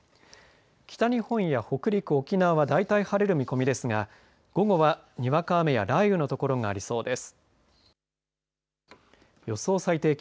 北日本や北陸、沖縄は大体晴れる見込みですが午後は、にわか雨や雷雨のところがありそうです。